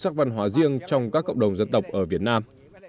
các văn hóa riêng trong các cộng đồng dân tộc ở việt nam